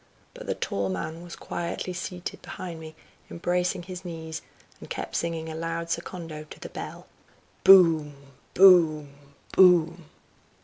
But the tall man was quietly seated behind me, embracing his knees, and kept singing a loud secondo to the bell: "Boom! boom! boom!"